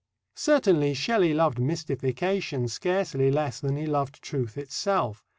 Certainly, Shelley loved mystification scarcely less than he loved truth itself.